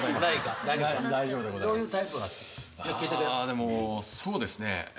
でもそうですね。